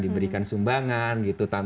diberikan sumbangan gitu kan